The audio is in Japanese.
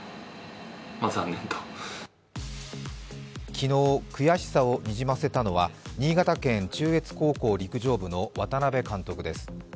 昨日、悔しさをにじませたのは新潟県中越高校陸上部の渡辺監督です。